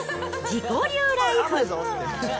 自己流ライフ。